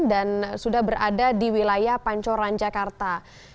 dan sudah berada di wilayah pancoran jakarta